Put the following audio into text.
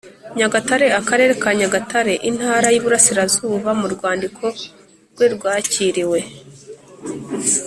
Nyagatare akarere ka nyagatare intara y iburasirazuba mu rwandiko rwe rwakiriwe